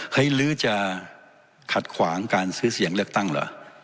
หรือจะขัดขวางการซื้อเสียงเลือกตั้งเหรอ